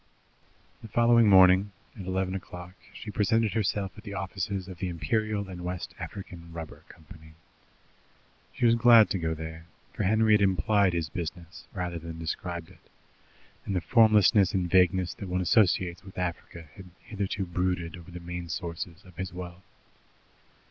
The following morning, at eleven o'clock, she presented herself at the offices of the Imperial and West African Rubber Company. She was glad to go there, for Henry had implied his business rather than described it, and the formlessness and vagueness that one associates with Africa had hitherto brooded over the main sources of his wealth.